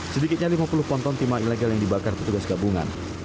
sedikitnya lima puluh ponton timah ilegal yang dibakar petugas gabungan